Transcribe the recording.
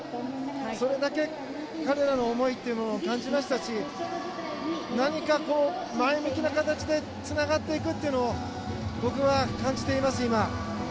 それだけ彼らの思いを感じましたし前向きな形でつながっていくというのを僕は感じています、今。